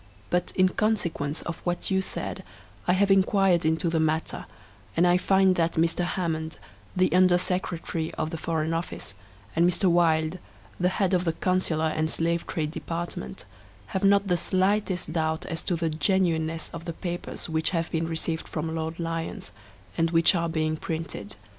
But, in consequence of what you said I have inquired into the matter, and I find that Mr. Hammond, the Under Secretary of the Foreign Office, and Mr. Wylde, the head of the Consular and Slave Trade Department, have not the slightest doubt as to the genuineness of the papers which have been received from Lord Lyons, and which are being printed.